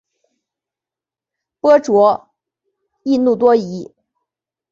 拔灼易怒多疑。